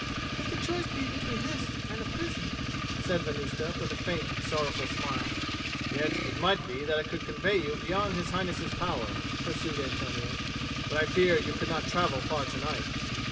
"If the choice be between this and a prison " said Venusta with a faint sorrowful smile. "Yet it might be that I could convey you beyond His Highness's power," pursued Antonio. "But I fear you could not travel far to night."